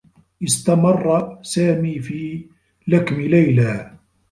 استمرّ سامي في لكم ليلى.